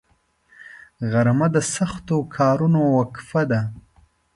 غرمه د سختو کارونو وقفه ده